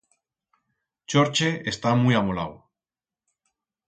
Chorche está muit amolau.